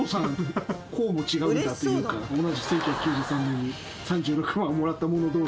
こうも違うんだというか、同じ１９９３年に３６番をもらったものどうし。